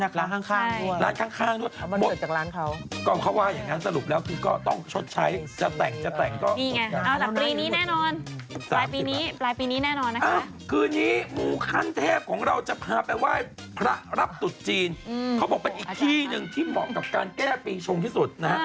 เค้าบอกเป็นอีกที่นึงที่เหมาะกับการแก้ปรีชงที่สุด